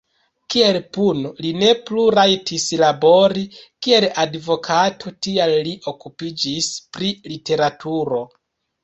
Kiel puno, li ne plu rajtis labori, kiel advokato, tial li okupiĝis pri literaturo.